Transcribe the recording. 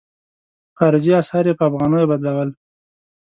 خارجي اسعار یې په افغانیو بدلول.